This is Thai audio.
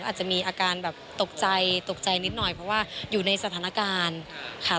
อาจจะมีอาการแบบตกใจตกใจนิดหน่อยเพราะว่าอยู่ในสถานการณ์ค่ะ